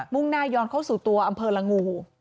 ่งหน้าย้อนเข้าสู่ตัวอำเภอละงู